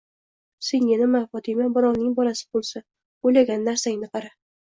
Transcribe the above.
Senga nima, Fotima? Birovning bolasi bo'lsa, o'ylagan narsangni qara.